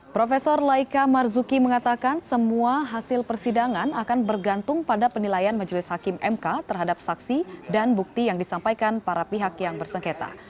prof laika marzuki mengatakan semua hasil persidangan akan bergantung pada penilaian majelis hakim mk terhadap saksi dan bukti yang disampaikan para pihak yang bersengketa